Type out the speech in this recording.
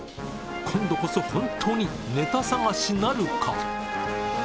今度こそ本当にネタ探しなるか？